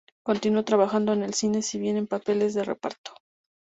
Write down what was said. Continuó trabajando en el cine, si bien en papeles de reparto.